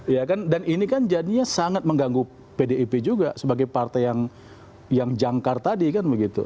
ya kan dan ini kan jadinya sangat mengganggu pdip juga sebagai partai yang jangkar tadi kan begitu